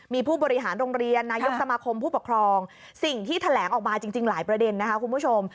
มีผู้บริหารโรงเรียนนายกสมาคมผู้ปกครองสิ่งที่แถลงออกมาจริงหลายประเด็นนะคะคุณผู้ชม